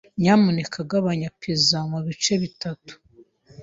Nyamuneka gabanya pizza mubice bitatu.